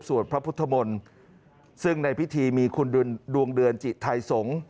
พระพุทธมนตร์ซึ่งในพิธีมีคุณดวงเดือนจิไทยสงฆ์